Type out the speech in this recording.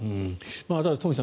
だから東輝さん